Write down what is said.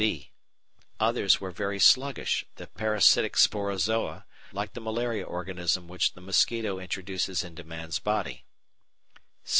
(b) Others were very sluggish, the parasitic Sporozoa, like the malaria organism which the mosquito introduces into man's body.